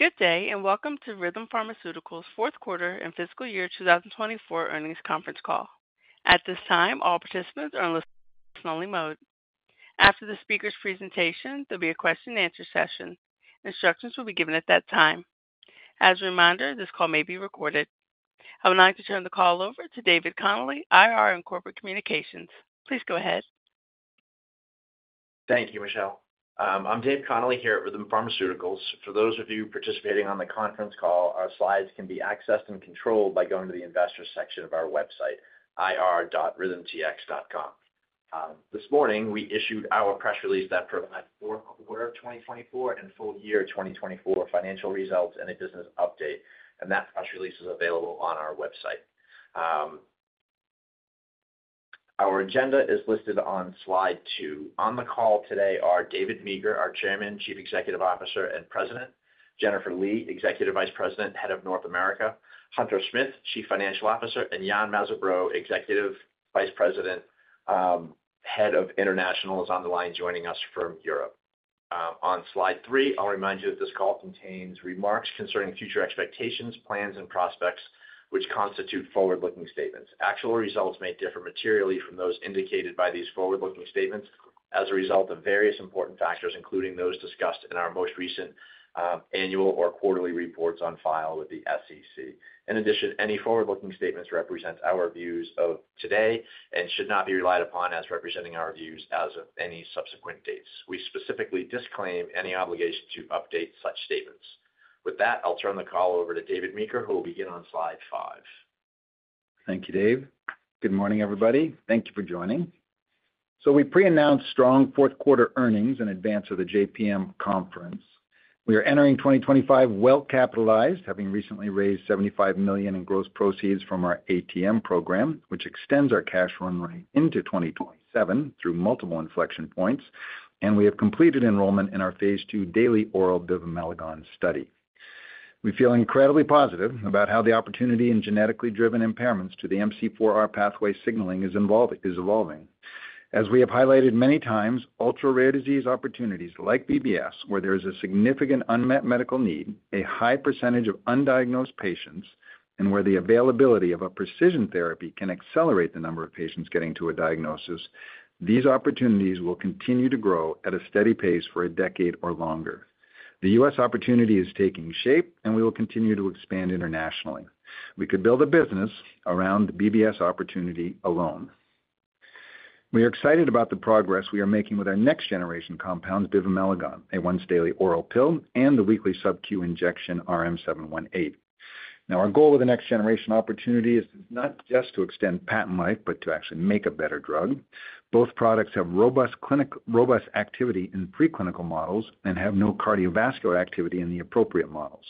Good day and welcome to Rhythm Pharmaceuticals' Fourth Quarter and Fiscal Year 2024 Earnings Conference Call. At this time, all participants are on listen-only mode. After the speaker's presentation, there'll be a question-and-answer session. Instructions will be given at that time. As a reminder, this call may be recorded. I would now like to turn the call over to David Connolly, IR and Corporate Communications. Please go ahead. Thank you, Michelle. I'm David Connolly here at Rhythm Pharmaceuticals. For those of you participating on the conference call, our slides can be accessed and controlled by going to the investor section of our website, ir.rhythmtx.com. This morning, we issued our press release that provides fourth quarter of 2024 and full year 2024 financial results and a business update, and that press release is available on our website. Our agenda is listed on slide two. On the call today are David Meeker, our Chairman, Chief Executive Officer, and President. Jennifer Lee, Executive Vice President, Head of North America. Hunter Smith, Chief Financial Officer. And Yann Mazabraud, Executive Vice President, Head of International, is on the line joining us from Europe. On slide three, I'll remind you that this call contains remarks concerning future expectations, plans, and prospects, which constitute forward-looking statements. Actual results may differ materially from those indicated by these forward-looking statements as a result of various important factors, including those discussed in our most recent annual or quarterly reports on file with the SEC. In addition, any forward-looking statements represent our views of today and should not be relied upon as representing our views as of any subsequent dates. We specifically disclaim any obligation to update such statements. With that, I'll turn the call over to David Meeker, who will begin on slide five. Thank you, Dave. Good morning, everybody. Thank you for joining. We pre-announced strong fourth quarter earnings in advance of the JPM conference. We are entering 2025 well-capitalized, having recently raised $75 million in gross proceeds from our ATM program, which extends our cash run rate into 2027 through multiple inflection points, and we have completed enrollment in our phase II daily oral bivamelagon study. We feel incredibly positive about how the opportunity in genetically driven impairments to the MC4R pathway signaling is evolving. As we have highlighted many times, ultra-rare disease opportunities like BBS, where there is a significant unmet medical need, a high percentage of undiagnosed patients, and where the availability of a precision therapy can accelerate the number of patients getting to a diagnosis, these opportunities will continue to grow at a steady pace for a decade or longer. The U.S. opportunity is taking shape, and we will continue to expand internationally. We could build a business around the BBS opportunity alone. We are excited about the progress we are making with our next-generation compounds, bivamelagon, a once daily oral pill and the weekly subcu injection RM-718. Now our goal with the next-generation opportunity is not just to extend patent life but to actually make a better drug. Both products have robust activity in preclinical models and have no cardiovascular activity in the appropriate models.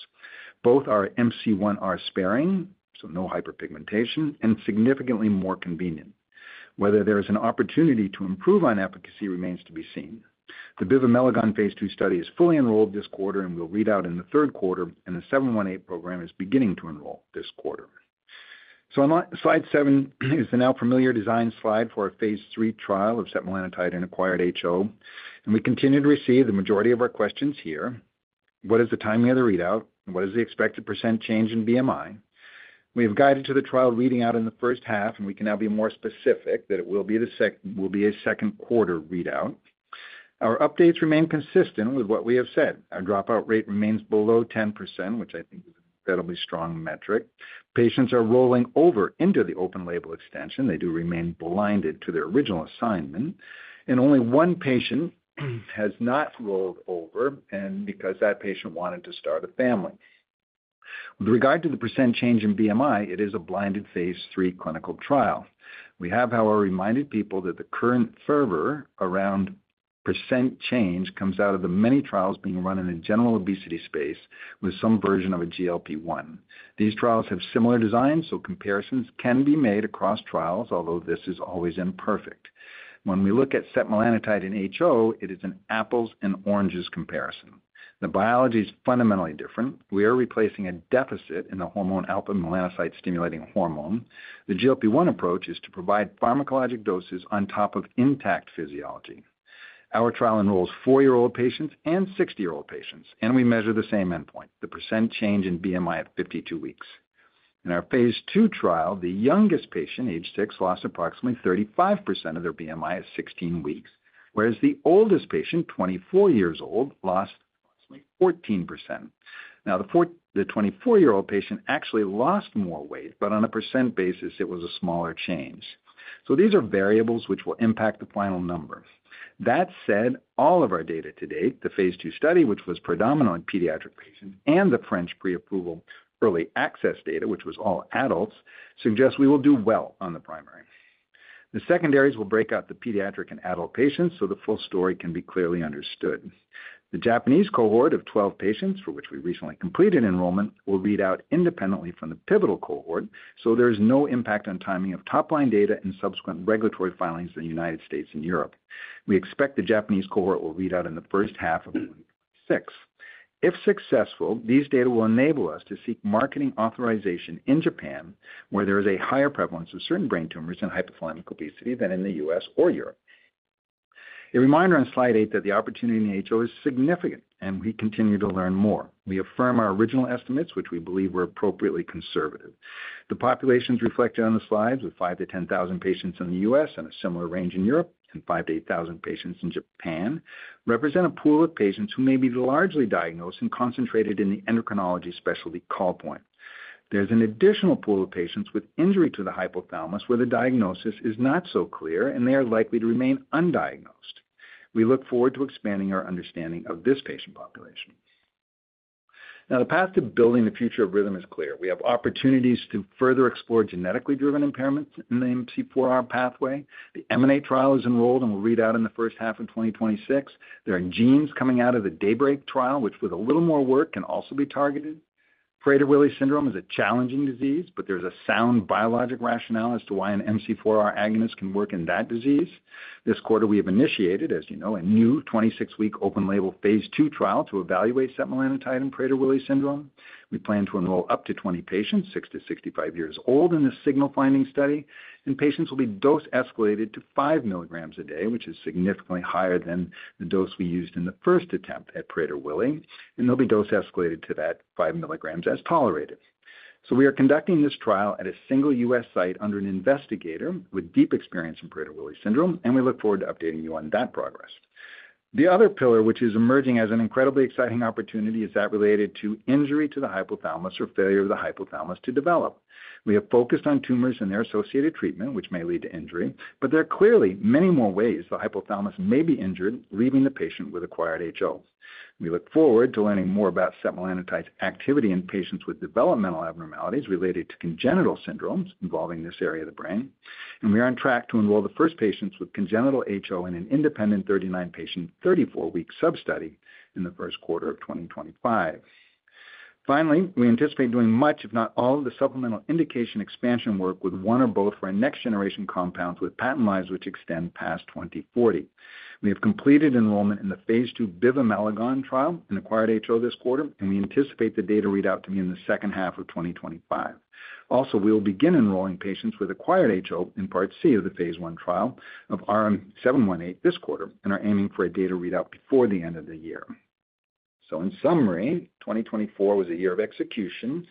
Both are MC1R sparing so no hyperpigmentation and significantly more convenient. Whether there is an opportunity to improve on efficacy remains to be seen. The bivamelagon phase II study is fully enrolled this quarter and will read out in the third quarter and the 718 program is beginning to enroll this quarter. On slide seven is the now familiar design slide for a phase III trial of setmelanotide in acquired HO, and we continue to receive the majority of our questions here. What is the timing of the readout? What is the expected percent change in BMI? We have guided to the trial reading out in the first half, and we can now be more specific that it will be a second quarter readout. Our updates remain consistent with what we have said. Our dropout rate remains below 10%, which I think is an incredibly strong metric. Patients are rolling over into the open label extension. They do remain blinded to their original assignment, and only one patient has not rolled over because that patient wanted to start a family. With regard to the percent change in BMI, it is a blinded phase III clinical trial. We have, however, reminded people that the current fervor around percent change comes out of the many trials being run in the general obesity space with some version of a GLP-1. These trials have similar designs, so comparisons can be made across trials, although this is always imperfect. When we look at setmelanotide in HO, it is an apples and oranges comparison. The biology is fundamentally different. We are replacing a deficit in the hormone alpha-melanocyte-stimulating hormone. The GLP-1 approach is to provide pharmacologic doses on top of intact physiology. Our trial enrolls 4-year-old patients and 60-year-old patients and we measure the same endpoint, the percent change in BMI at 52 weeks. In our phase II trial, the youngest patient, age six, lost approximately 35% of their BMI at 16 weeks, whereas the oldest patient, 24 years old, lost approximately 14%. Now, the 24-year-old patient actually lost more weight, but on a percent basis, it was a smaller change. So these are variables which will impact the final number. That said, all of our data to date, the phase II study, which was predominantly pediatric patients, and the French pre-approval early access data, which was all adults, suggests we will do well on the primary. The secondaries will break out the pediatric and adult patients so the full story can be clearly understood. The Japanese cohort of 12 patients for which we recently completed enrollment will read out independently from the pivotal cohort, so there is no impact on timing of top line data and subsequent regulatory filings in the United States and Europe. We expect the Japanese cohort will read out in the first half of 2026. If successful, these data will enable us to seek marketing authorization in Japan, where there is a higher prevalence of certain brain tumors and hypothalamic obesity than in the U.S. or Europe. A reminder on slide eight that the opportunity in HO is significant, and we continue to learn more. We affirm our original estimates, which we believe were appropriately conservative. The populations reflected on the slides, with 5,000-10,000 patients in the U.S. and a similar range in Europe and 5,000-8,000 patients in Japan, represent a pool of patients who may be largely diagnosed and concentrated in the endocrinology specialty call point. There's an additional pool of patients with injury to the hypothalamus where the diagnosis is not so clear, and they are likely to remain undiagnosed. We look forward to expanding our understanding of this patient population. Now the path to building the future of Rhythm is clear. We have opportunities to further explore genetically driven impairments in the MC4R pathway. The EMANATE trial is enrolled and will read out in the first half of 2026. There are genes coming out of the DAYBREAK trial which with a little more work, can also be targeted. Prader-Willi syndrome is a challenging disease, but there's a sound biologic rationale as to why an MC4R agonist can work in that disease. This quarter we have initiated, as you know, a new 26-week open-label phase II trial to evaluate setmelanotide in Prader-Willi syndrome. We plan to enroll up to 20 patients, 60 to 65 years old, in this signal finding study, and patients will be dose escalated to 5 milligrams a day, which is significantly higher than the dose we used in the first attempt at Prader-Willi, and they'll be dose escalated to that 5 milligrams as tolerated. So we are conducting this trial at a single U.S. site under an investigator with deep experience in Prader-Willi syndrome, and we look forward to updating you on that progress. The other pillar, which is emerging as an incredibly exciting opportunity, is that related to injury to the hypothalamus or failure of the hypothalamus to develop. We have focused on tumors and their associated treatment, which may lead to injury, but there are clearly many more ways the hypothalamus may be injured, leaving the patient with acquired HO. We look forward to learning more about setmelanotide activity in patients with developmental abnormalities related to congenital syndromes involving this area of the brain, and we are on track to enroll the first patients with congenital HO in an independent 39-patient, 34-week sub-study in the first quarter of 2025. Finally, we anticipate doing much, if not all, of the supplemental indication expansion work with one or both for next-generation compounds with patent lives which extend past 2040. We have completed enrollment in the phase II bivamelagon trial in acquired HO this quarter, and we anticipate the data readout to be in the second half of 2025. Also, we will begin enrolling patients with acquired HO in Part C of the phase I trial of RM-718 this quarter and are aiming for a data readout before the end of the year. In summary, 2024 was a year of execution,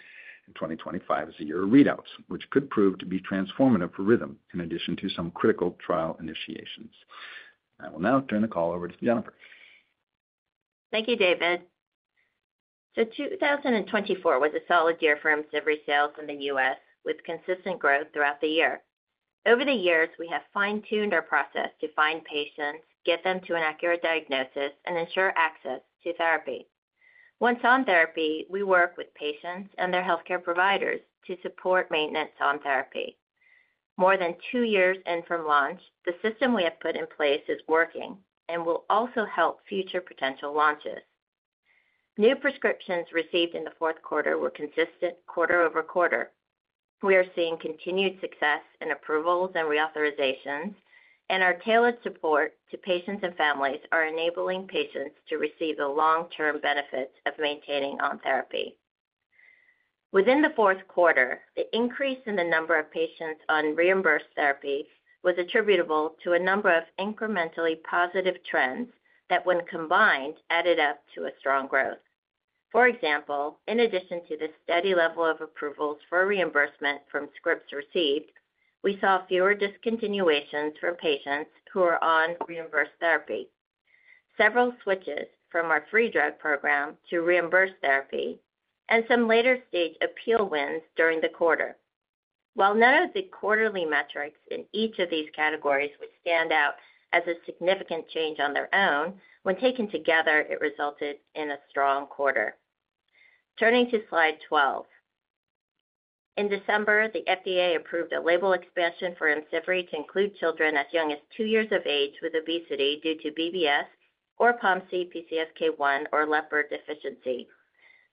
and 2025 is a year of readouts, which could prove to be transformative for Rhythm in addition to some critical trial initiations. I will now turn the call over to Jennifer. Thank you, David. So 2024 was a solid year for IMCIVREE sales in the U.S. with consistent growth throughout the year. Over the years, we have fine-tuned our process to find patients, get them to an accurate diagnosis, and ensure access to therapy. Once on therapy, we work with patients and their healthcare providers to support maintenance on therapy. More than two years in from launch, the system we have put in place is working and will also help future potential launches. New prescriptions received in the fourth quarter were consistent quarter-over-quarter. We are seeing continued success in approvals and reauthorizations, and our tailored support to patients and families is enabling patients to receive the long-term benefits of maintaining on therapy. Within the fourth quarter, the increase in the number of patients on reimbursed therapy was attributable to a number of incrementally positive trends that, when combined, added up to a strong growth. For example, in addition to the steady level of approvals for reimbursement from scripts received, we saw fewer discontinuations from patients who are on reimbursed therapy, several switches from our free drug program to reimbursed therapy, and some later-stage appeal wins during the quarter. While none of the quarterly metrics in each of these categories would stand out as a significant change on their own, when taken together, it resulted in a strong quarter. Turning to slide 12, in December, the FDA approved a label expansion for IMCIVREE to include children as young as two years of age with obesity due to BBS or POMC, PCSK1 or LEPR deficiency.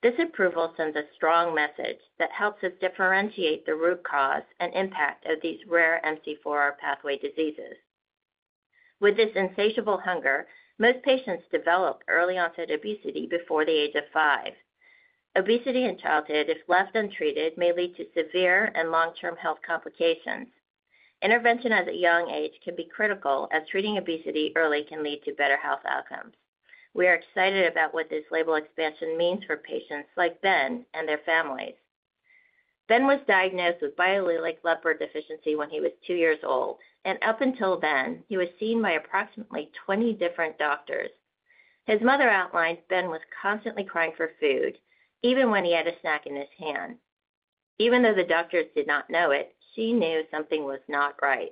This approval sends a strong message that helps us differentiate the root cause and impact of these rare MC4R pathway diseases. With this insatiable hunger, most patients develop early-onset obesity before the age of five. Obesity in childhood, if left untreated, may lead to severe and long-term health complications. Intervention at a young age can be critical, as treating obesity early can lead to better health outcomes. We are excited about what this label expansion means for patients like Ben and families. Ben was diagnosed with biallelic LEPR deficiency when he was 2-years-old and up until then he was seen by approximately 20 different doctors. His mother outlined Ben was constantly crying for food, even when he had a snack in his hand. Even though the doctors did not know it, she knew something was not right.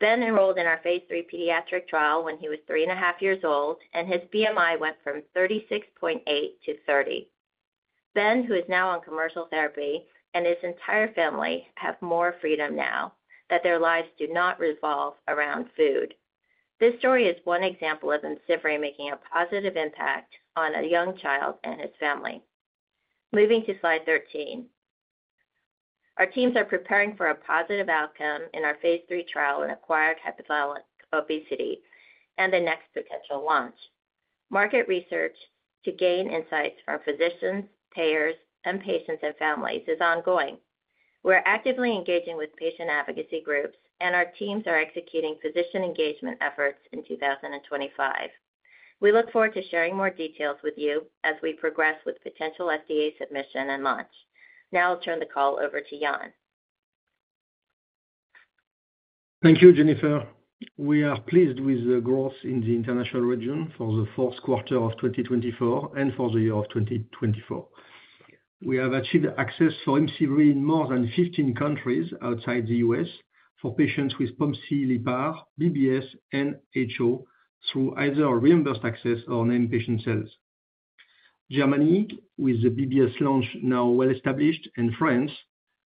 Ben enrolled in our phase III pediatric trial when he was three and a half years old, and his BMI went from 36.8 to 30. Ben, who is now on commercial therapy, and his entire family have more freedom now that their lives do not revolve around food. This story is one example of IMCIVREE making a positive impact on a young child and his family. Moving to slide 13, our teams are preparing for a positive outcome in our phase III trial in acquired hypothalamic obesity and the next potential launch. Market research to gain insights from physicians, payers, and patients and families is ongoing. We are actively engaging with patient advocacy groups, and our teams are executing physician engagement efforts in 2025. We look forward to sharing more details with you as we progress with potential FDA submission and launch. Now I'll turn the call over to Yann. Thank you, Jennifer. We are pleased with the growth in the international region for the fourth quarter of 2024 and for the year of 2024. We have achieved access for IMCIVREE in more than 15 countries outside the U.S. for patients with POMC/LEPR, BBS and HO through either reimbursed access or named patient cells. Germany, with the BBS launch now well established, and France,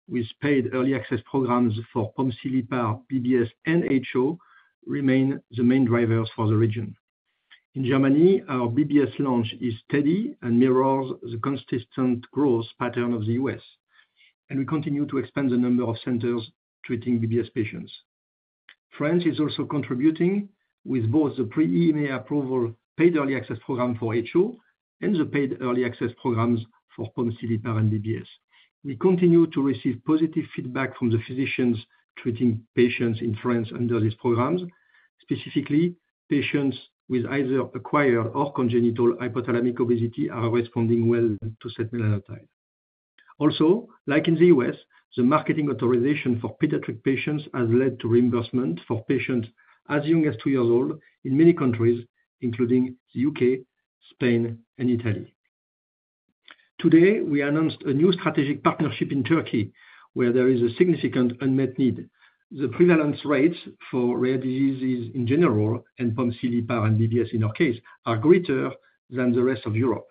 with paid early access programs for POMC/LEPR, BBS, and HO, remain the main drivers for the region. In Germany, our BBS launch is steady and mirrors the consistent growth pattern of the U.S., and we continue to expand the number of centers treating BBS patients. France is also contributing with both the pre-EMA approval paid early access program for HO and the paid early access programs for POMC/LEPR and BBS. We continue to receive positive feedback from the physicians treating patients in France under these programs. Specifically, patients with either acquired or congenital hypothalamic obesity are responding well to setmelanotide. Also like in the U.S. the marketing authorization for pediatric patients has led to reimbursement for patients as young as 2-years old in many countries including the U.K., Spain, and Italy. Today, we announced a new strategic partnership in Turkey, where there is a significant unmet need. The prevalence rates for rare diseases in general and POMC/LEPR, and BBS in our case are greater than the rest of Europe,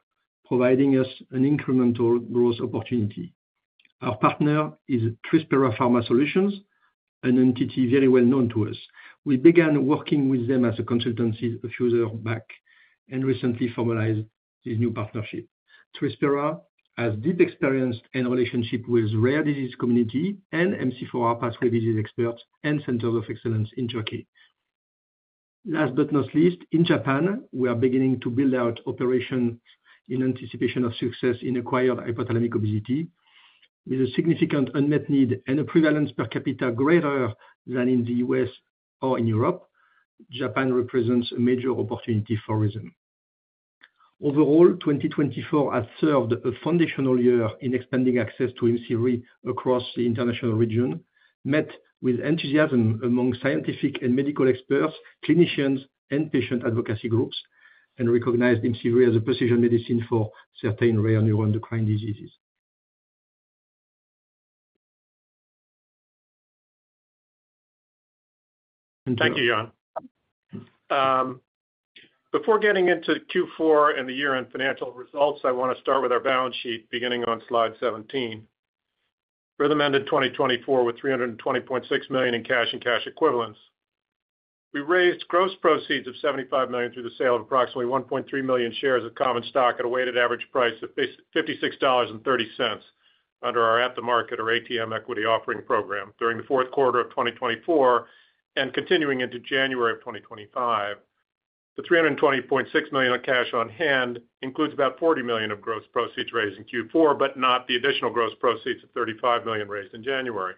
providing us an incremental growth opportunity. Our partner is Trispera Pharma Solutions, an entity very well known to us. We began working with them as a consultancy a few years back and recently formalized this new partnership. Trispera has deep experience and relationship with rare disease community and MC4R pathway disease experts and centers of excellence in Turkey. Last but not least, in Japan we are beginning to build out operations in anticipation of success in acquired hypothalamic obesity. With a significant unmet need and a prevalence per capita greater than in the U.S. or in Europe, Japan represents a major opportunity for Rhythm. Overall, 2024 has served a foundational year in expanding access to IMCIVREE across the international region, met with enthusiasm among scientific and medical experts, clinicians and patient advocacy groups, and recognized IMCIVREE as a precision medicine for certain rare neuroendocrine diseases. Thank you, Yann. Before getting into Q4 and the year-end financial results, I want to start with our balance sheet, beginning on slide 17. Rhythm ended 2024 with $320.6 million in cash and cash equivalents. We raised gross proceeds of $75 million through the sale of approximately 1.3 million shares of common stock at a weighted average price of $56.30 under our at-the-market or ATM equity offering program during the fourth quarter of 2024 and continuing into January of 2025. The $320.6 million of cash on hand includes about $40 million of gross proceeds raised in Q4, but not the additional gross proceeds of $35 million raised in January.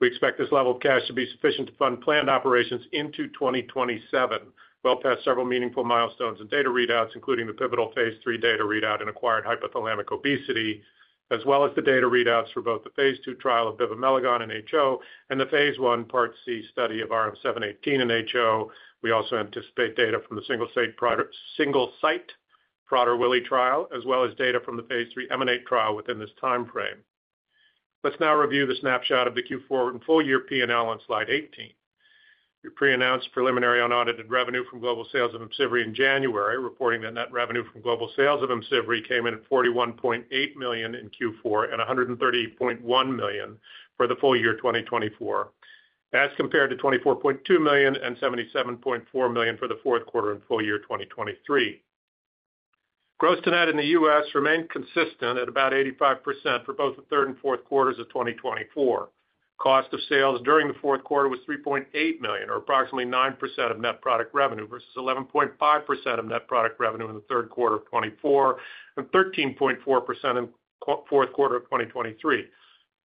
We expect this level of cash to be sufficient to fund planned operations into 2027, well past several meaningful milestones and data readouts, including the pivotal phase III data readout in acquired hypothalamic obesity as well as the data readouts for both the phase II trial of bivamelagon in HO and the phase I Part C study of RM-718 in HO. We also anticipate data from the single site Prader-Willi trial as well as data from the phase III EMANATE trial within this timeframe. Let's now review the snapshot of the Q4 and full-year P&L on slide 18. We pre-announced preliminary unaudited revenue from global sales of IMCIVREE in January, reporting that net revenue from global sales of IMCIVREE came in at $41.8 million in Q4 and $130.1 million for the full year 2024, as compared to $24.2 million and $77.4 million for the fourth quarter and full year 2023. Gross to net in the U.S. remained consistent at about 85% for both the third and fourth quarters of 2024. Cost of sales during the fourth quarter was $3.8 million, or approximately 9% of net product revenue versus 11.5% of net product revenue in the third quarter of 2024 and 13.4% in the fourth quarter of 2023.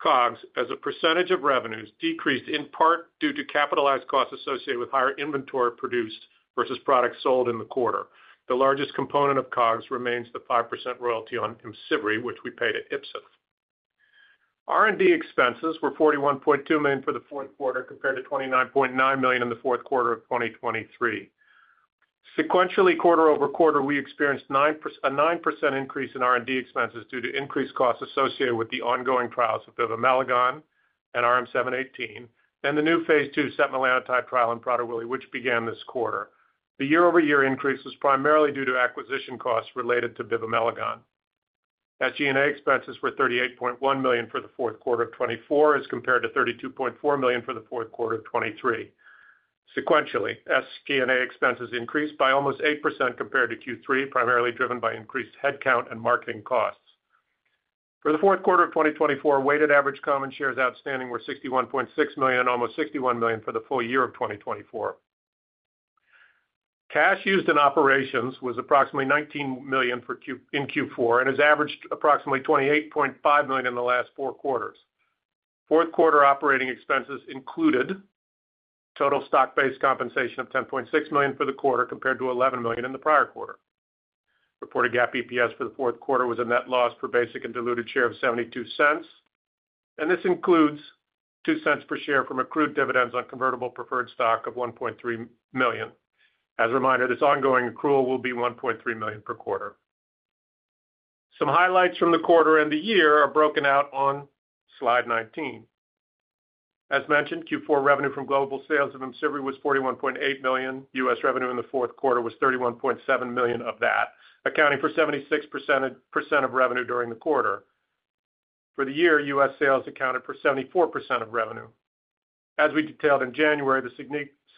COGS as a percentage of revenues decreased in part due to capitalized costs associated with higher inventory produced versus products sold in the quarter. The largest component of COGS remains the 5% royalty on IMCIVREE, which we paid at Ipsen. R&D expenses were $41.2 million for the fourth quarter compared to $29.9 million in the fourth quarter of 2023. Sequentially, quarter-over-quarter, we experienced a 9% increase in R&D expenses due to increased costs associated with the ongoing trials of bivamelagon and RM-718 and the new phase II setmelanotide trial in Prader-Willi, which began this quarter. The year-over-year increase was primarily due to acquisition costs related to bivamelagon. SG&A expenses were $38.1 million for the fourth quarter of 2024 as compared to $32.4 million for the fourth quarter of 2023. Sequentially, SG&A expenses increased by almost 8% compared to Q3, primarily driven by increased headcount and marketing costs. For the fourth quarter of 2024, weighted average common shares outstanding were 61.6 million, almost 61 million for the full year of 2024. Cash used in operations was approximately $19 million in Q4 and has averaged approximately $28.5 million in the last four quarters. Fourth quarter operating expenses included total stock-based compensation of $10.6 million for the quarter compared to $11 million in the prior quarter. Reported GAAP EPS for the fourth quarter was a net loss per basic and diluted share of 72 cents, and this includes 2 cents per share from accrued dividends on convertible preferred stock of $1.3 million. As a reminder, this ongoing accrual will be $1.3 million per quarter. Some highlights from the quarter and the year are broken out on slide 19. As mentioned, Q4 revenue from global sales of IMCIVREE was $41.8 million. U.S. revenue in the fourth quarter was $31.7 million of that, accounting for 76% of revenue during the quarter. For the year, U.S. sales accounted for 74% of revenue. As we detailed in January, the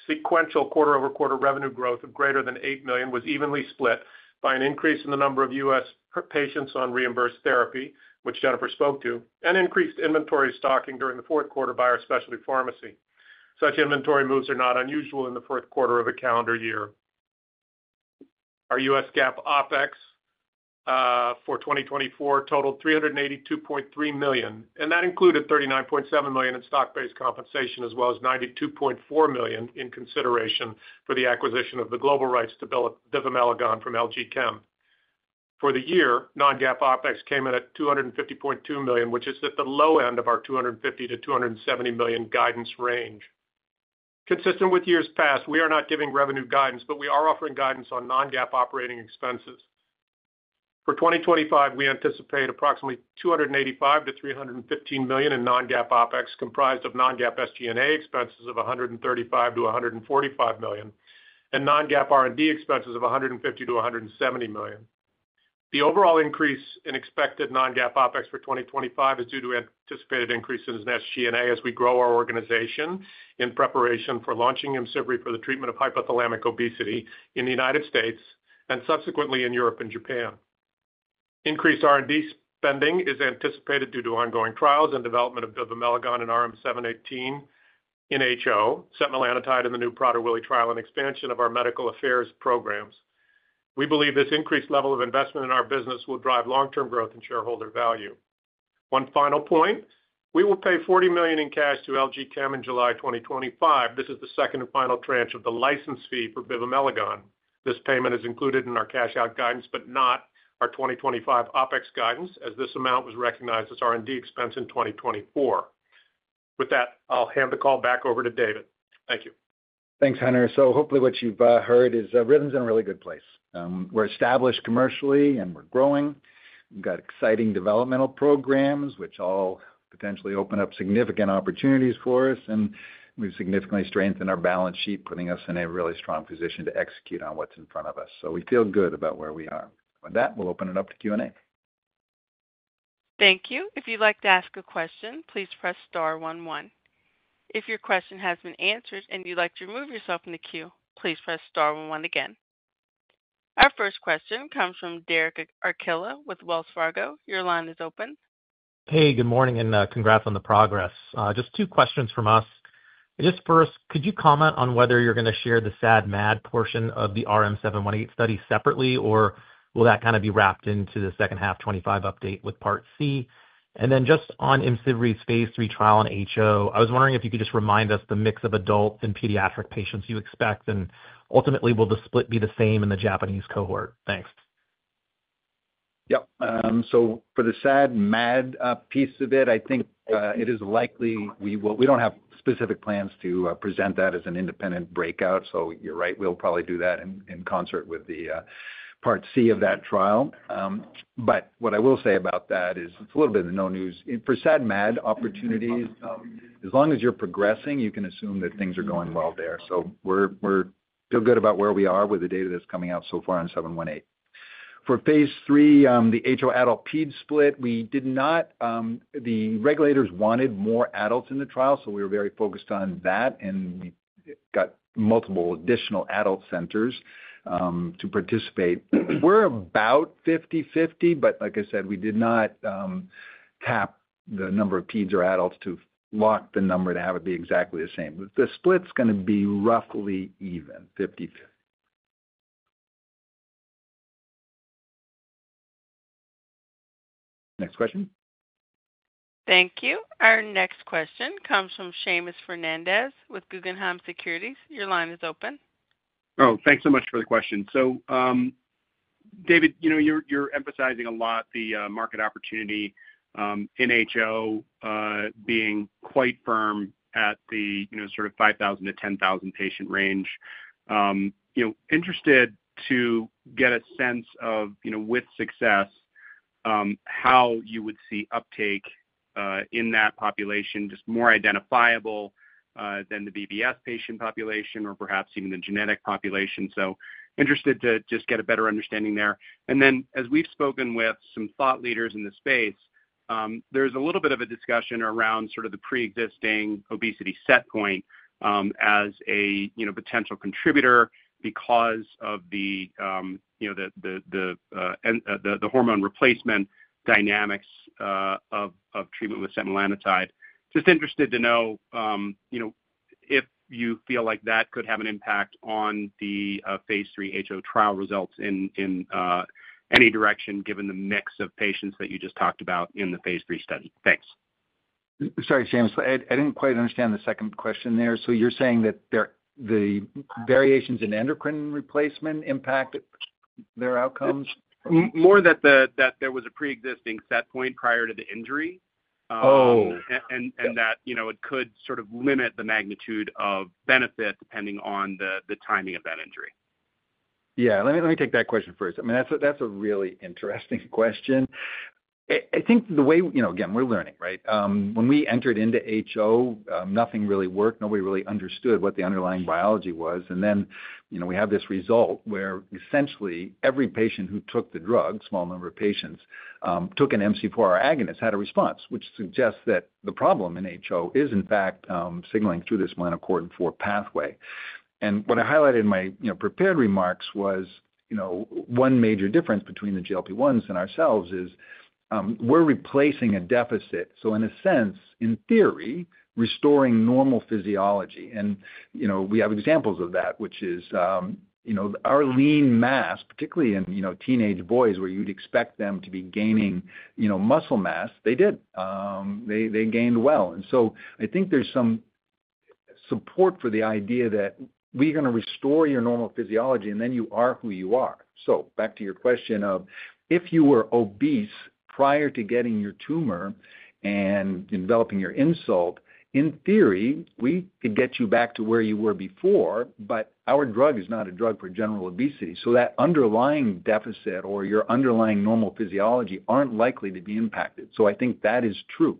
sequential quarter-over-quarter revenue growth of greater than $8 million was evenly split by an increase in the number of U.S. patients on reimbursed therapy, which Jennifer spoke to, and increased inventory stocking during the fourth quarter by our specialty pharmacy. Such inventory moves are not unusual in the fourth quarter of a calendar year. Our U.S. GAAP OpEx for 2024 totaled $382.3 million and that included $39.7 million in stock based compensation as well as $92.4 million in consideration for the acquisition of the global rights to bivamelagon from LG Chem. For the year, non-GAAP OpEx came in at $250.2 million, which is at the low end of our $250 million to $270 million guidance range. Consistent with years past, we are not giving revenue guidance, but we are offering guidance on non-GAAP operating expenses. For 2025, we anticipate approximately $285 million-$315 million in non-GAAP OpEx, comprised of non-GAAP SG&A expenses of $135 million-$145 million, and non-GAAP R&D expenses of $150 million-$170 million. The overall increase in expected non-GAAP OpEx for 2025 is due to anticipated increase in SG&A as we grow our organization in preparation for launching IMCIVREE for the treatment of hypothalamic obesity in the United States and subsequently in Europe and Japan. Increased R&D spending is anticipated due to ongoing trials and development of bivamelagon in RM-718 in HO, setmelanotide in the new Prader-Willi trial, and expansion of our medical affairs programs. We believe this increased level of investment in our business will drive long-term growth and shareholder value. One final point, we will pay $40 million in cash to LG Chem in July 2025. This is the second and final tranche of the license fee for bivamelagon. This payment is included in our cash-out guidance, but not our 2025 OpEx guidance, as this amount was recognized as R&D expense in 2024. With that, I'll hand the call back over to David. Thank you. Thanks, Hunter. So hopefully what you've heard is Rhythm's in a really good place. We're established commercially and we're growing. We've got exciting developmental programs, which all potentially open up significant opportunities for us, and we've significantly strengthened our balance sheet, putting us in a really strong position to execute on what's in front of us. So we feel good about where we are. With that, we'll open it up to Q&A. Thank you. If you'd like to ask a question, please press star one one. If your question has been answered and you'd like to remove yourself from the queue, please press star one one again. Our first question comes from Derek Archila with Wells Fargo. Your line is open. Hey, good morning and congrats on the progress. Just two questions from us. Just first, could you comment on whether you're going to share the SAD/MAD portion of the RM-718 study separately? Or will that kind of be wrapped into the second half 2025 update with Part C? And then just on IMCIVREE phase III trial and HO, I was wondering if you could just remind us the mix of adult and pediatric patients you expect. And ultimately, will the split be the same in the Japanese cohort? Thanks. Yep. So for the SAD/MAD piece of it, I think it is likely we don't have specific plans to present that as an independent breakout. So you're right, we'll probably do that in concert with the Part C of that trial. But what I will say about that is it's a little bit of the no news. For SAD/MAD opportunities, as long as you're progressing, you can assume that things are going well there. So we feel good about where we are with the data that's coming out so far on 718. For phase III, the HO adult ped split, we did not – the regulators wanted more adults in the trial, so we were very focused on that and we got multiple additional adult centers to participate. We're about 50/50, but like I said, we did not tap the number of peds or adults to want the number to have it be exactly the same. The split's going to be roughly even, 50/50. Next question? Thank you. Our next question comes from Seamus Fernandez with Guggenheim Securities. Your line is open. Oh, thanks so much for the question. So David, you're emphasizing a lot the market opportunity in HO being quite firm at the sort of 5,000-10,000 patient range. Interested to get a sense of, with success, how you would see uptake in that population, just more identifiable than the BBS patient population or perhaps even the genetic population. So interested to just get a better understanding there. And then as we've spoken with some thought leaders in the space, there's a little bit of a discussion around sort of the pre-existing obesity setpoint as a potential contributor because of the hormone replacement dynamics of treatment with setmelanotide. Just interested to know if you feel like that could have an impact on the phase III HO trial results in any direction, given the mix of patients that you just talked about in the phase III study. Thanks. Sorry, Seamus. I didn't quite understand the second question there. So you're saying that the variations in endocrine replacement impact their outcomes? More that there was a pre-existing setpoint prior to the injury. Oh. That it could sort of limit the magnitude of benefit depending on the timing of that injury. Yeah. Let me take that question first. I mean, that's a really interesting question. I think the way, again we're learning, right when we entered into HO, nothing really worked. Nobody really understood what the underlying biology was. And then we have this result where essentially every patient who took the drug, small number of patients, took an MC4R agonist, had a response, which suggests that the problem in HO is in fact signaling through this melanocortin-4 pathway, and what I highlighted in my prepared remarks was one major difference between the GLP-1s and ourselves is we're replacing a deficit. So in a sense, in theory, restoring normal physiology. And we have examples of that, which is our lean mass, particularly in teenage boys, where you'd expect them to be gaining muscle mass, they did. They gained well. And so I think there's some support for the idea that we're going to restore your normal physiology, and then you are who you are. So back to your question of if you were obese prior to getting your tumor and developing your insult, in theory, we could get you back to where you were before, but our drug is not a drug for general obesity. So that underlying deficit or your underlying normal physiology aren't likely to be impacted. So I think that is true.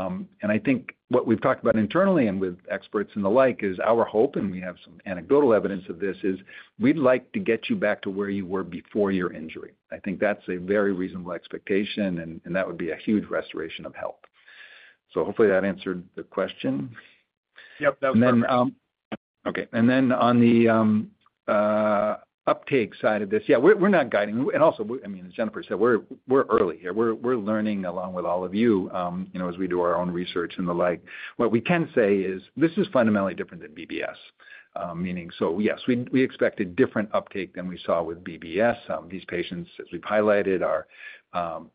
And I think what we've talked about internally and with experts and the like is our hope, and we have some anecdotal evidence of this, is we'd like to get you back to where you were before your injury. I think that's a very reasonable expectation, and that would be a huge restoration of health. So hopefully that answered the question. Yep. That was helpful. Okay. And then on the uptake side of this, yeah, we're not guiding. And also, I mean, as Jennifer said, we're early here. We're learning along with all of you as we do our own research and the like. What we can say is this is fundamentally different than BBS. Meaning, so yes, we expected different uptake than we saw with BBS. These patients, as we've highlighted,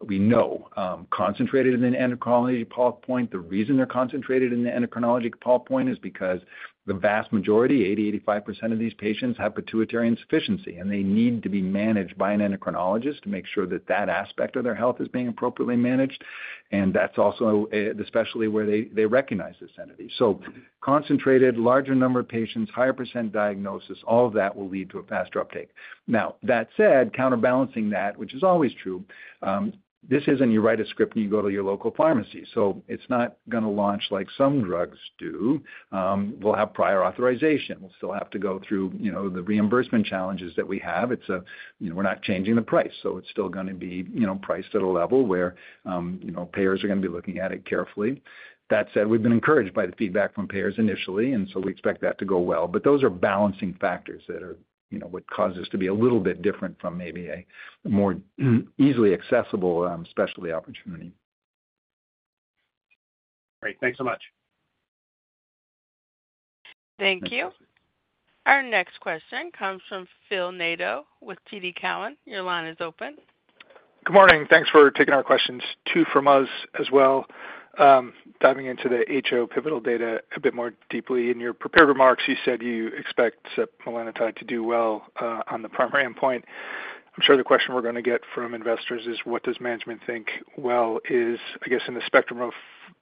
we know are concentrated in the endocrinology path point. The reason they're concentrated in the endocrinology path point is because the vast majority, 80%-85% of these patients have pituitary insufficiency, and they need to be managed by an endocrinologist to make sure that that aspect of their health is being appropriately managed. And that's also especially where they recognize this entity. So concentrated, larger number of patients, higher percent diagnosis, all of that will lead to a faster uptake. Now, that said, counterbalancing that, which is always true, this isn't you write a script and you go to your local pharmacy, so it's not going to launch like some drugs do. We'll have prior authorization. We'll still have to go through the reimbursement challenges that we have. We're not changing the price, so it's still going to be priced at a level where payers are going to be looking at it carefully. That said, we've been encouraged by the feedback from payers initially, and so we expect that to go well, but those are balancing factors that are what cause us to be a little bit different from maybe a more easily accessible specialty opportunity. Great. Thanks so much. Thank you. Our next question comes from Phil Nadeau with TD Cowen. Your line is open. Good morning. Thanks for taking our questions. Two from us as well. Diving into the HO pivotal data a bit more deeply. In your prepared remarks, you said you expect setmelanotide to do well on the primary endpoint. I'm sure the question we're going to get from investors is, what does management think well is, I guess, in the spectrum of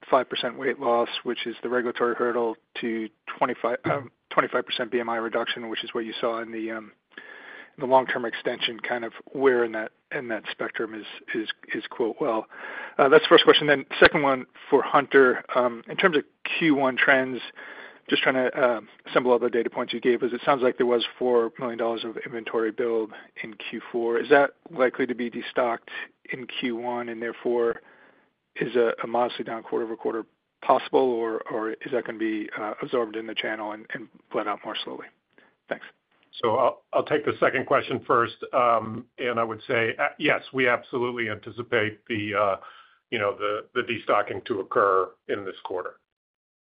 5% weight loss, which is the regulatory hurdle to 25% BMI reduction, which is what you saw in the long-term extension, kind of where in that spectrum is "well." That's the first question. Then second one for Hunter. In terms of Q1 trends, just trying to assemble all the data points you gave us, it sounds like there was $4 million of inventory build in Q4. Is that likely to be destocked in Q1, and therefore, is a modestly down quarter-over-quarter possible, or is that going to be absorbed in the channel and bled out more slowly? Thanks. I'll take the second question first, and I would say, yes, we absolutely anticipate the destocking to occur in this quarter.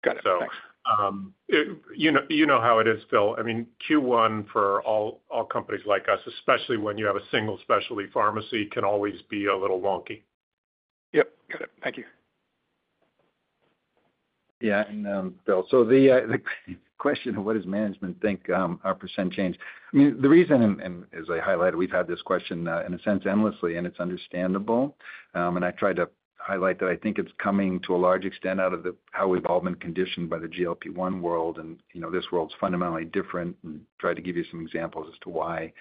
Got it. Thanks. You know how it is, Phil. I mean, Q1 for all companies like us, especially when you have a single specialty pharmacy, can always be a little wonky. Yep. Got it. Thank you. Yeah. And Phil, so the question of what does management think our percent change? I mean, the reason, and as I highlighted, we've had this question in a sense endlessly, and it's understandable. And I tried to highlight that I think it's coming to a large extent out of how we've all been conditioned by the GLP-1 world, and this world's fundamentally different, and try to give you some examples as to why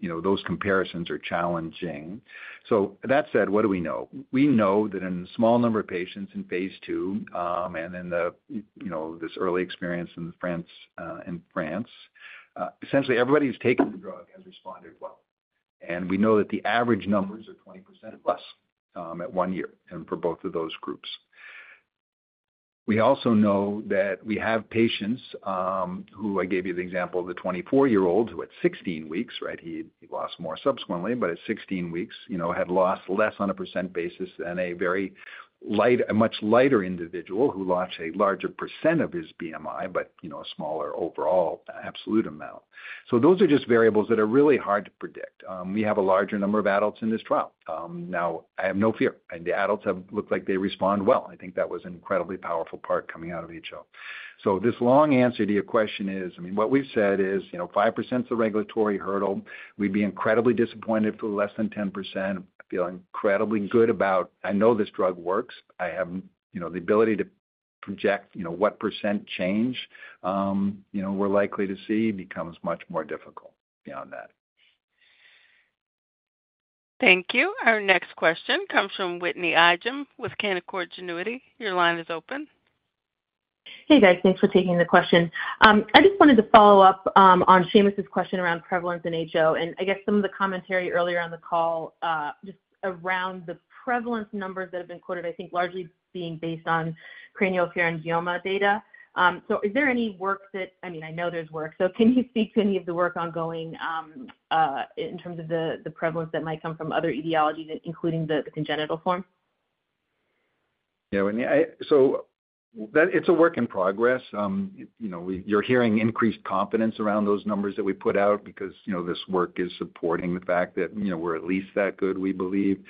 those comparisons are challenging. So that said, what do we know? We know that in a small number of patients in phase II and in this early experience in France, essentially everybody who's taken the drug has responded well. And we know that the average numbers are 20% plus at one year for both of those groups. We also know that we have patients who I gave you the example of the 24-year-old who at 16 weeks, right, he lost more subsequently, but at 16 weeks had lost less on a percent basis than a much lighter individual who lost a larger percent of his BMI, but a smaller overall absolute amount. So those are just variables that are really hard to predict. We have a larger number of adults in this trial. Now, I have no fear, and the adults have looked like they respond well. I think that was an incredibly powerful part coming out of HO. So this long answer to your question is, I mean, what we've said is 5% is the regulatory hurdle. We'd be incredibly disappointed if it were less than 10%. I feel incredibly good about I know this drug works.I have the ability to project what percent change we're likely to see becomes much more difficult beyond that. Thank you. Our next question comes from Whitney Ijem with Canaccord Genuity. Your line is open. Hey, guys. Thanks for taking the question. I just wanted to follow up on Seamus' question around prevalence in HO. And I guess some of the commentary earlier on the call just around the prevalence numbers that have been quoted, I think largely being based on craniopharyngioma data. So is there any work that I mean, I know there's work. So can you speak to any of the work ongoing in terms of the prevalence that might come from other etiologies, including the congenital form? Yeah. So it's a work in progress. You're hearing increased confidence around those numbers that we put out because this work is supporting the fact that we're at least that good, we believe.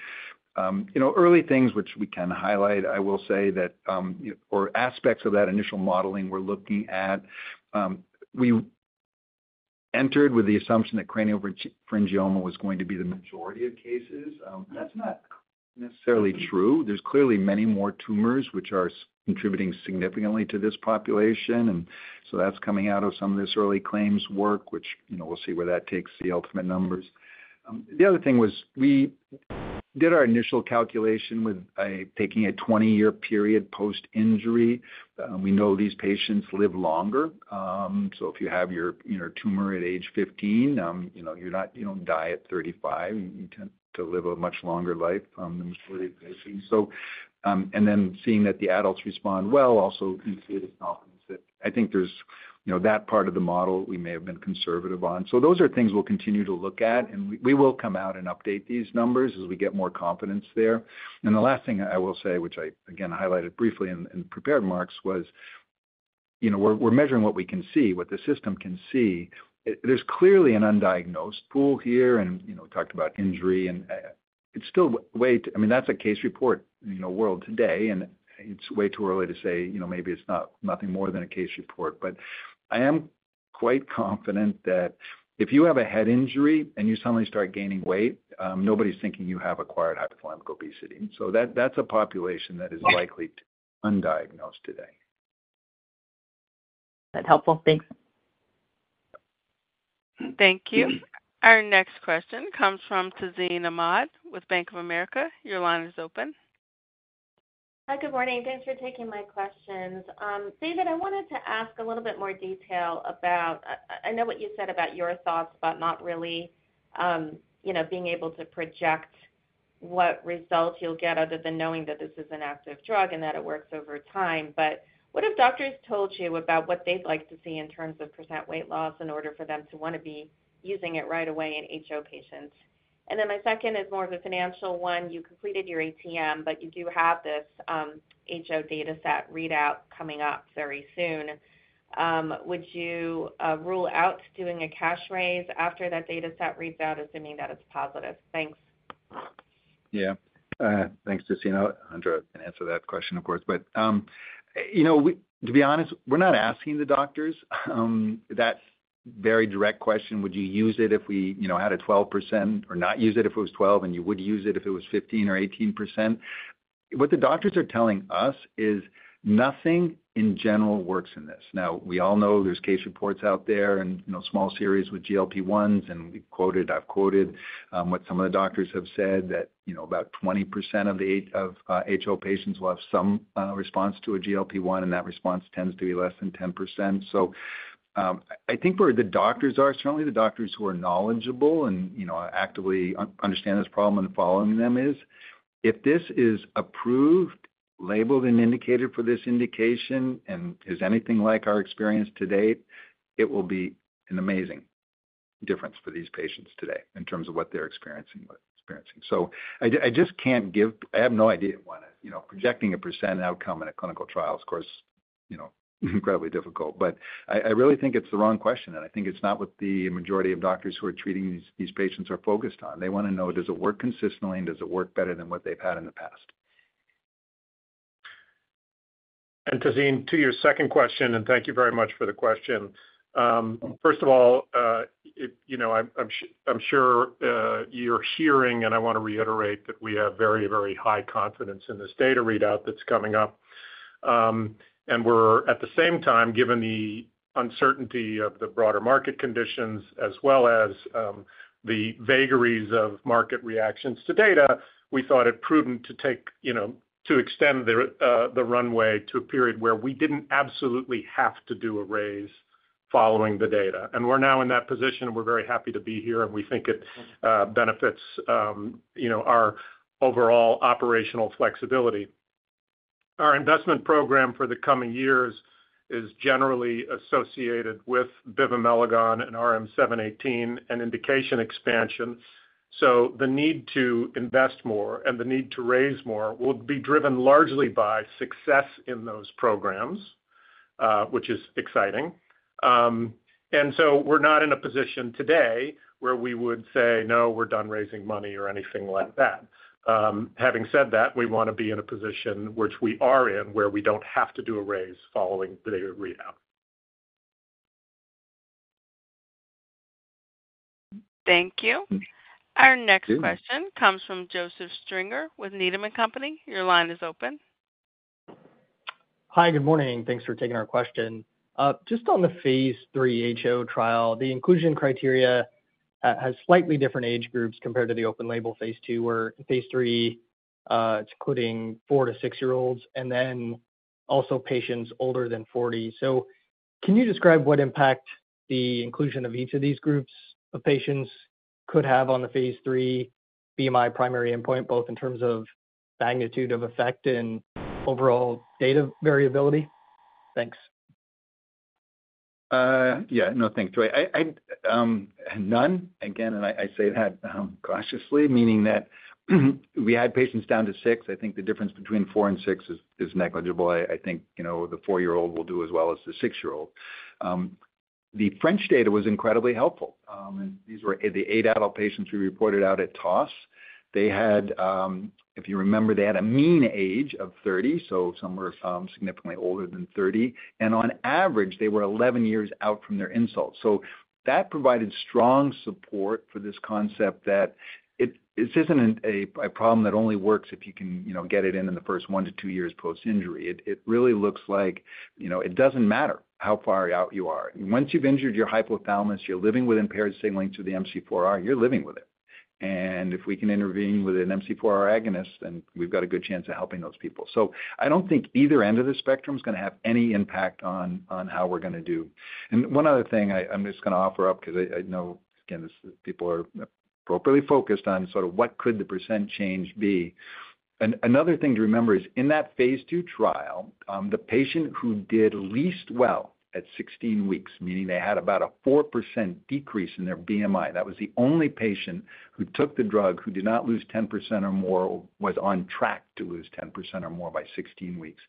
Early things which we can highlight, I will say that or aspects of that initial modeling we're looking at, we entered with the assumption that craniopharyngioma was going to be the majority of cases. That's not necessarily true. There's clearly many more tumors which are contributing significantly to this population. And so that's coming out of some of this early claims work, which we'll see where that takes the ultimate numbers. The other thing was we did our initial calculation with taking a 20-year period post-injury. We know these patients live longer. So if you have your tumor at age 15, you don't die at 35. You tend to live a much longer life than most of these patients. And then seeing that the adults respond well, also you see the confidence that I think there's that part of the model we may have been conservative on. So those are things we'll continue to look at. And we will come out and update these numbers as we get more confidence there. And the last thing I will say, which I again highlighted briefly in the prepared remarks, was we're measuring what we can see, what the system can see. There's clearly an undiagnosed pool here, and we talked about injury. And it's still way too. I mean, that's a case report world today, and it's way too early to say maybe it's nothing more than a case report. But I am quite confident that if you have a head injury and you suddenly start gaining weight, nobody's thinking you have acquired hypothalamic obesity. So that's a population that is likely undiagnosed today. That's helpful. Thanks. Thank you. Our next question comes from Tazeen Ahmad with Bank of America. Your line is open. Hi, good morning. Thanks for taking my questions. David, I wanted to ask a little bit more detail about. I know what you said about your thoughts about not really being able to project what results you'll get other than knowing that this is an active drug and that it works over time. But what have doctors told you about what they'd like to see in terms of percent weight loss in order for them to want to be using it right away in HO patients? And then my second is more of a financial one. You completed your ATM, but you do have this HO dataset readout coming up very soon. Would you rule out doing a cash raise after that dataset reads out, assuming that it's positive? Thanks. Yeah. Thanks, Tazeen. I'll answer that question, of course. But to be honest, we're not asking the doctors that very direct question, would you use it if we had a 12% or not use it if it was 12%, and you would use it if it was 15% or 18%? What the doctors are telling us is nothing in general works in this. Now, we all know there's case reports out there and small series with GLP-1s, and we've quoted what some of the doctors have said, that about 20% of HO patients will have some response to a GLP-1, and that response tends to be less than 10%. I think where the doctors are, certainly the doctors who are knowledgeable and actively understand this problem and following them is, if this is approved, labeled, and indicated for this indication, and is anything like our experience to date, it will be an amazing difference for these patients today in terms of what they're experiencing. I just can't give. I have no idea why projecting a percent outcome in a clinical trial is, of course, incredibly difficult. I really think it's the wrong question, and I think it's not what the majority of doctors who are treating these patients are focused on. They want to know, does it work consistently, and does it work better than what they've had in the past? Tazeen, to your second question, and thank you very much for the question. First of all, I'm sure you're hearing, and I want to reiterate that we have very, very high confidence in this data readout that's coming up. We're, at the same time, given the uncertainty of the broader market conditions as well as the vagaries of market reactions to data, we thought it prudent to extend the runway to a period where we didn't absolutely have to do a raise following the data. We're now in that position, and we're very happy to be here, and we think it benefits our overall operational flexibility. Our investment program for the coming years is generally associated with bivamelagon and RM-718 and indication expansion. The need to invest more and the need to raise more will be driven largely by success in those programs, which is exciting. And so we're not in a position today where we would say, "No, we're done raising money," or anything like that. Having said that, we want to be in a position which we are in where we don't have to do a raise following the readout. Thank you. Our next question comes from Joseph Stringer with Needham & Company. Your line is open. Hi, good morning. Thanks for taking our question. Just on the phase III HO trial, the inclusion criteria has slightly different age groups compared to the open-label phase II, where in phase III, it's including four to six-year-olds and then also patients older than 40. So can you describe what impact the inclusion of each of these groups of patients could have on the phase III BMI primary endpoint, both in terms of magnitude of effect and overall data variability? Thanks. Yeah. No, thanks, Joey. None. Again, and I say that cautiously, meaning that we had patients down to six. I think the difference between four and six is negligible. I think the four-year-old will do as well as the six-year-old. The French data was incredibly helpful. And these were the eight adult patients we reported out at TOS. They had – if you remember, they had a mean age of 30. So some were significantly older than 30. And on average, they were 11 years out from their insult. So that provided strong support for this concept that this isn’t a problem that only works if you can get it in the first one to two years post injury. It really looks like it doesn't matter how far out you are. Once you've injured your hypothalamus, you're living with impaired signaling to the MC4R, you're living with it. And if we can intervene with an MC4R agonist, then we've got a good chance of helping those people. So I don't think either end of the spectrum is going to have any impact on how we're going to do. And one other thing I'm just going to offer up because I know, again, people are appropriately focused on sort of what could the percent change be. Another thing to remember is in that phase II trial, the patient who did least well at 16 weeks, meaning they had about a 4% decrease in their BMI. That was the only patient who took the drug who did not lose 10% or more or was on track to lose 10% or more by 16 weeks.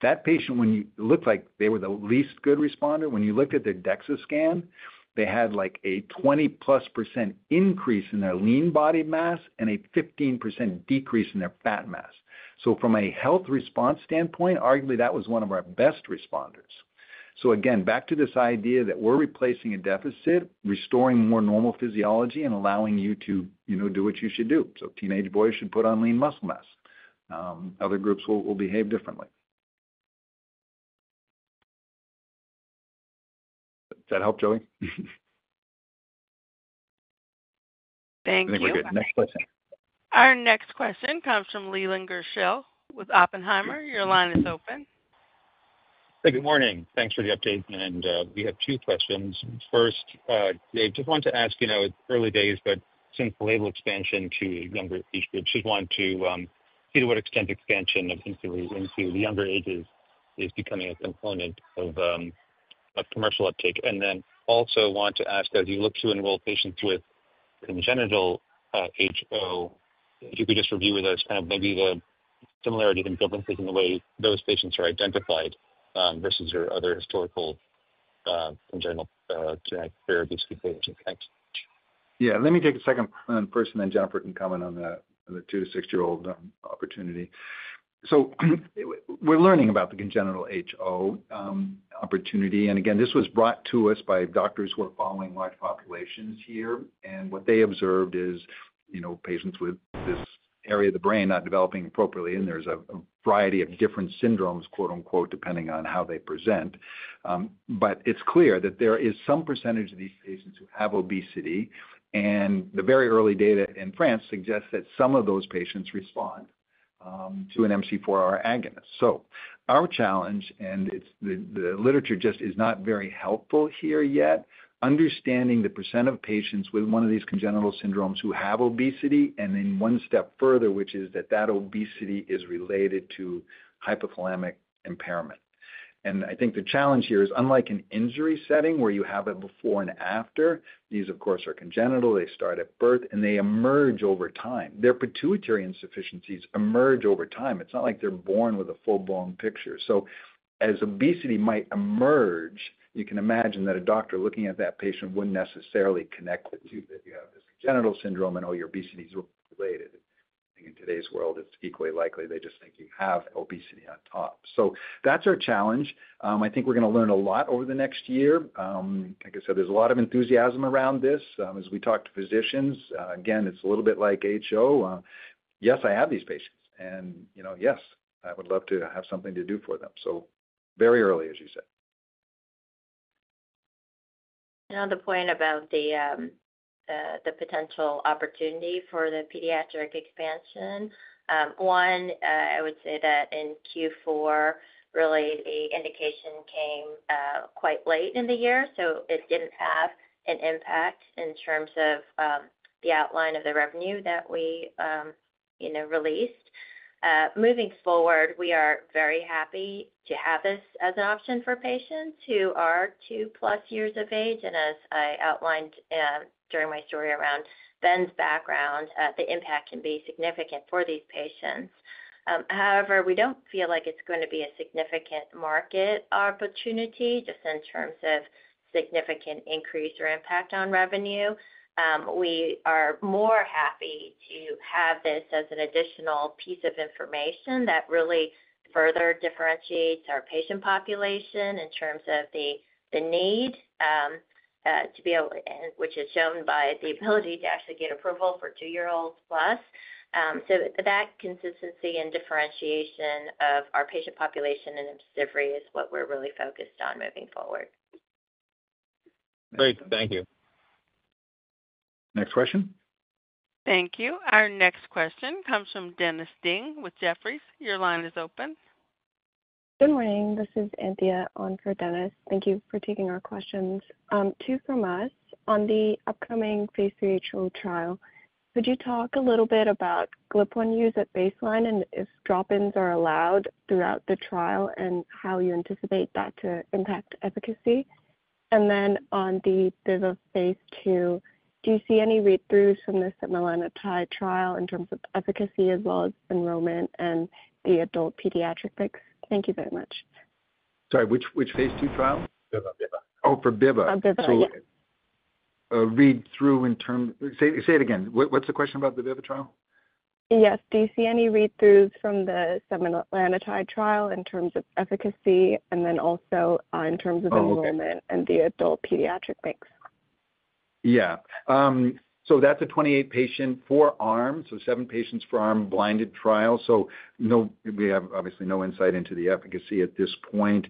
That patient, when you looked like they were the least good responder, when you looked at their DEXA scan, they had like a 20-plus% increase in their lean body mass and a 15% decrease in their fat mass. So from a health response standpoint, arguably that was one of our best responders. So again, back to this idea that we're replacing a deficit, restoring more normal physiology, and allowing you to do what you should do. So teenage boys should put on lean muscle mass. Other groups will behave differently. Does that help, Joey? Thank you. I think we're good. Next question. Our next question comes from Leland Gershell with Oppenheimer. Your line is open. Hey, good morning. Thanks for the update. And we have two questions. First, I just wanted to ask, it's early days, but since the label expansion to younger age groups, just wanted to see to what extent expansion into the younger ages is becoming a component of commercial uptake. And then also want to ask, as you look to enroll patients with congenital HO, if you could just review with us kind of maybe the similarities and differences in the way those patients are identified versus your other historical congenital genetic therapies for patients? Thanks. Yeah. Let me take a second person, then Jennifer can comment on the two to six-year-old opportunity. So we're learning about the congenital HO opportunity. And again, this was brought to us by doctors who are following large populations here. And what they observed is patients with this area of the brain not developing appropriately. And there's a variety of different syndromes, quote-unquote, depending on how they present. But it's clear that there is some percentage of these patients who have obesity. And the very early data in France suggests that some of those patients respond to an MC4R agonist. So our challenge, and the literature just is not very helpful here yet, understanding the percent of patients with one of these congenital syndromes who have obesity, and then one step further, which is that that obesity is related to hypothalamic impairment. I think the challenge here is, unlike an injury setting where you have a before and after, these, of course, are congenital. They start at birth, and they emerge over time. Their pituitary insufficiencies emerge over time. It's not like they're born with a full-blown picture. So as obesity might emerge, you can imagine that a doctor looking at that patient wouldn't necessarily connect it to that you have this congenital syndrome and all your obesity is related. In today's world, it's equally likely they just think you have obesity on top. So that's our challenge. I think we're going to learn a lot over the next year. Like I said, there's a lot of enthusiasm around this. As we talk to physicians, again, it's a little bit like HO. Yes, I have these patients. And yes, I would love to have something to do for them. So very early, as you said. Another point about the potential opportunity for the pediatric expansion. One, I would say that in Q4, really, the indication came quite late in the year. So it didn't have an impact in terms of the outline of the revenue that we released. Moving forward, we are very happy to have this as an option for patients who are two-plus years of age. And as I outlined during my story around Ben's background, the impact can be significant for these patients. However, we don't feel like it's going to be a significant market opportunity just in terms of significant increase or impact on revenue. We are more happy to have this as an additional piece of information that really further differentiates our patient population in terms of the need to be able, which is shown by the ability to actually get approval for two-year-olds plus. So that consistency and differentiation of our patient population in MC4R is what we're really focused on moving forward. Great. Thank you. Next question. Thank you. Our next question comes from Dennis Ding with Jefferies. Your line is open. Good morning. This is Anthea on for Dennis. Thank you for taking our questions. Two from us. On the upcoming phase III HO trial, could you talk a little bit about GLP-1 use at baseline and if drop-ins are allowed throughout the trial and how you anticipate that to impact efficacy? And then on the bivamelagon phase II, do you see any read-throughs from the setmelanotide trial in terms of efficacy as well as enrollment and the adult pediatric mix? Thank you very much. Sorry, which phase II trial? Biva. Oh, for Biva. Biva. Absolutely. What's the question about the bivamelagon trial? Yes. Do you see any read-throughs from the setmelanotide trial in terms of efficacy and then also in terms of enrollment and the adult pediatric mix? Yeah. So that's a 28-patient four-arm, so seven patients four-arm blinded trial. So we have obviously no insight into the efficacy at this point.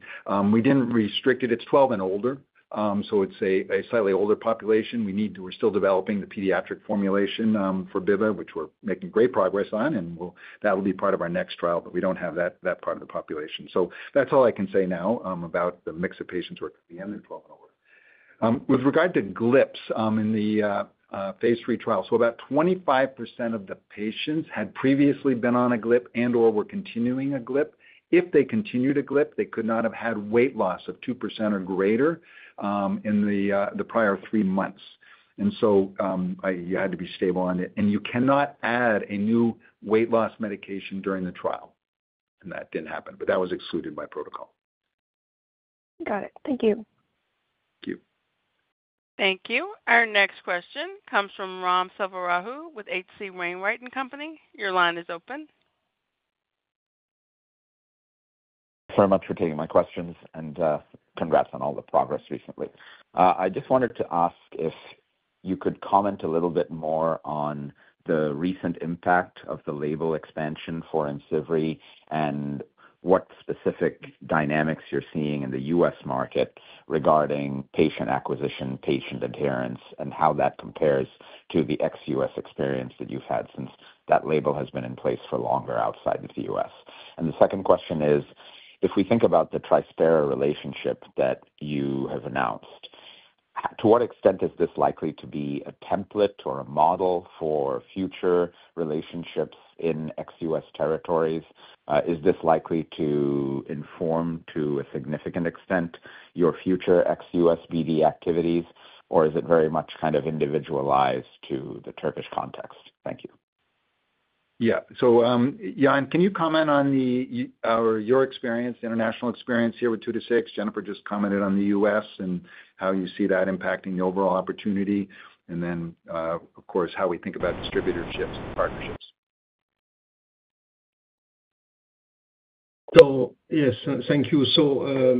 We didn't restrict it. It's 12 and older. So it's a slightly older population. We're still developing the pediatric formulation for biva, which we're making great progress on. And that will be part of our next trial, but we don't have that part of the population. So that's all I can say now about the mix of patients who are 12 and older. With regard to GLPs in the phase III trial, so about 25% of the patients had previously been on a GLP and/or were continuing a GLP. If they continued a GLP, they could not have had weight loss of 2% or greater in the prior three months. And so you had to be stable on it. And you cannot add a new weight loss medication during the trial. And that didn't happen, but that was excluded by protocol. Got it. Thank you. Thank you. Thank you. Our next question comes from Ram Selvaraju with H.C. Wainwright & Co. Your line is open. Thanks very much for taking my questions. And congrats on all the progress recently. I just wanted to ask if you could comment a little bit more on the recent impact of the label expansion for IMCIVREE and what specific dynamics you're seeing in the U.S. market regarding patient acquisition, patient adherence, and how that compares to the ex-U.S. experience that you've had since that label has been in place for longer outside of the U.S. And the second question is, if we think about the Trispera relationship that you have announced, to what extent is this likely to be a template or a model for future relationships in ex-U.S. territories? Is this likely to inform, to a significant extent, your future ex-U.S. BD activities, or is it very much kind of individualized to the Turkish context? Thank you. Yeah. So Yann, can you comment on your experience, the international experience here with two to six? Jennifer just commented on the U.S. and how you see that impacting the overall opportunity. And then, of course, how we think about distributorships and partnerships. So yes, thank you. So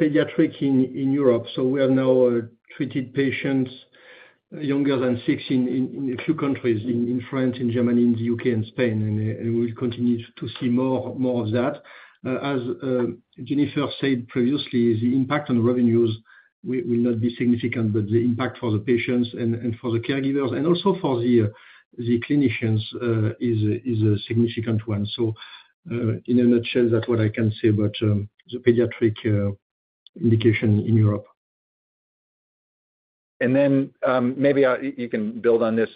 pediatric in Europe. So we have now treated patients younger than six in a few countries, in France, in Germany, in the U.K., and Spain. And we'll continue to see more of that. As Jennifer said previously, the impact on revenues will not be significant, but the impact for the patients and for the caregivers and also for the clinicians is a significant one. So in a nutshell, that's what I can say about the pediatric indication in Europe. Then maybe you can build on this.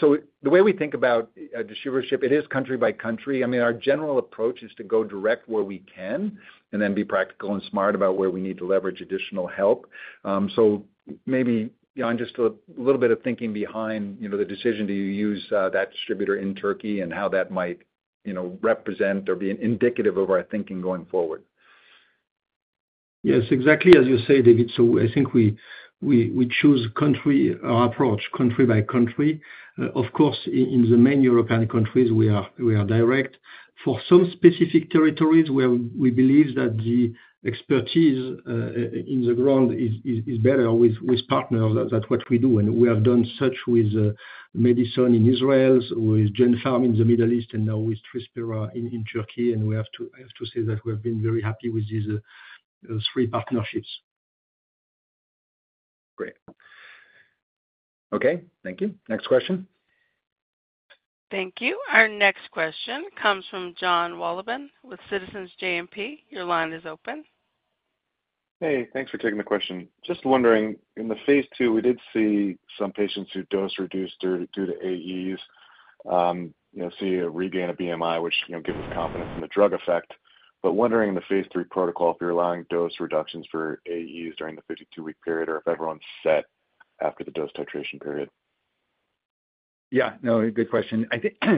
So the way we think about distributorship, it is country by country. I mean, our general approach is to go direct where we can and then be practical and smart about where we need to leverage additional help. So maybe, Yann, just a little bit of thinking behind the decision to use that distributor in Turkey and how that might represent or be indicative of our thinking going forward. Yes, exactly as you say, David. So I think we we choose country approach country by country. Of course, in the main European countries, we are direct for some specific territories where we believe that the expertise in the ground is better with partners. That's what we do. And we have done such with Medison in Israel, with Genpharm in the middle east and now with Trispera in Turkey. And we have to say that we have been very happy with these three partnerships. Great. Okay. Thank you. Next question. Thank you. Our next question comes from Jon Wolleben with Citizens JMP. Your line is open. Hey, thanks for taking the question. Just wondering, in the phase II, we did see some patients who dose-reduced due to AEs see a regain of BMI, which gives us confidence in the drug effect. But wondering in the phase III protocol, if you're allowing dose reductions for AEs during the 52-week period or if everyone's set after the dose titration period? Yeah. No, good question.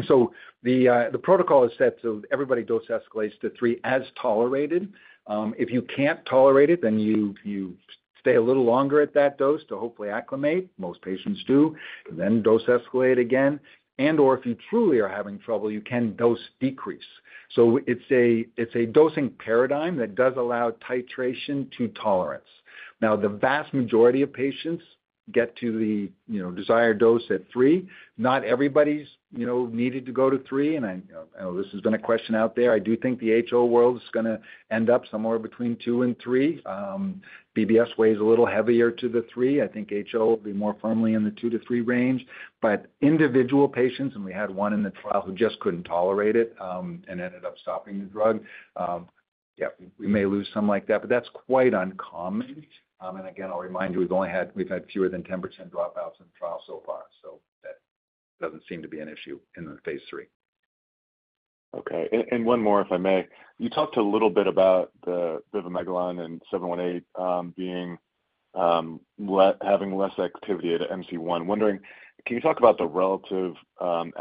So the protocol is set. So everybody dose escalates to three as tolerated. If you can't tolerate it, then you stay a little longer at that dose to hopefully acclimate. Most patients do. Then dose escalate again. And/or if you truly are having trouble, you can dose decrease. So it's a dosing paradigm that does allow titration to tolerance. Now, the vast majority of patients get to the desired dose at three. Not everybody's needed to go to three. And I know this has been a question out there. I do think the HO world is going to end up somewhere between two and three. BBS weighs a little heavier to the three. I think HO will be more firmly in the two to three range. But individual patients, and we had one in the trial who just couldn't tolerate it and ended up stopping the drug. Yeah, we may lose some like that. But that's quite uncommon. And again, I'll remind you, we've had fewer than 10% dropouts in the trial so far. So that doesn't seem to be an issue in the phase III. Okay. And one more, if I may. You talked a little bit about the bivamelagon and 718 having less activity at MC1. Wondering, can you talk about the relative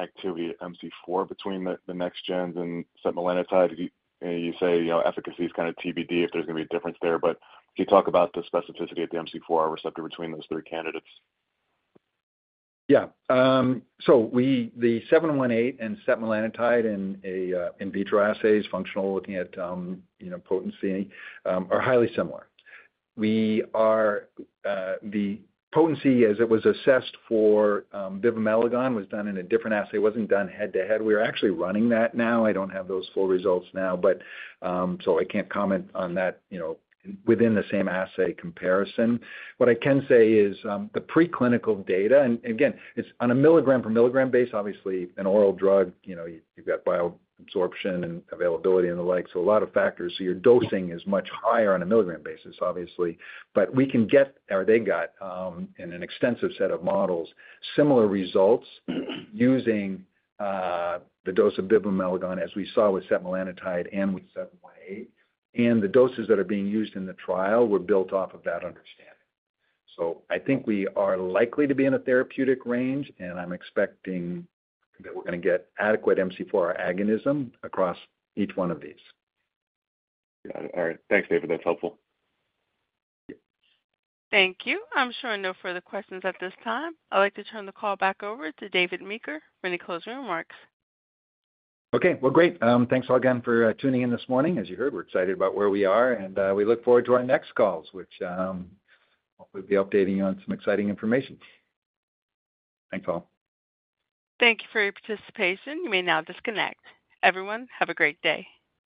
activity at MC4 between the next-gen and setmelanotide? You say efficacy is kind of TBD if there's going to be a difference there. But can you talk about the specificity at the MC4 receptor between those three candidates? Yeah. So the 718 and setmelanotide and in vitro assays functional looking at potency are highly similar. The potency, as it was assessed for bivamelagon, was done in a different assay. It wasn't done head-to-head. We are actually running that now. I don't have those full results now, but so I can't comment on that within the same assay comparison. What I can say is the preclinical data, and again, it's on a milligram-per-milligram basis. Obviously, an oral drug, you've got bioavailability and the like. So a lot of factors. So your dosing is much higher on a milligram basis, obviously. But we can get, or they got in an extensive set of models, similar results using the dose of bivamelagon, as we saw with setmelanotide and with 718. And the doses that are being used in the trial were built off of that understanding. So I think we are likely to be in a therapeutic range, and I'm expecting that we're going to get adequate MC4R agonism across each one of these. Got it. All right. Thanks, David. That's helpful. Thank you. I'm sure no further questions at this time. I'd like to turn the call back over to David Meeker for any closing remarks. Okay. Well, great. Thanks all again for tuning in this morning. As you heard, we're excited about where we are, and we look forward to our next calls, which we'll be updating you on some exciting information. Thanks, all. Thank you for your participation. You may now disconnect. Everyone, have a great day.